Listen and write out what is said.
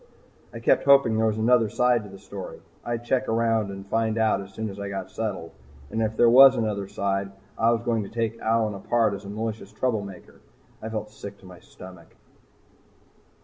I kept hoping there was another side to the story. I'd check around and find out as soon as I got settled. And if there was another side, I was going to take Allyn apart as a malicious trouble maker. I felt sick to my stomach.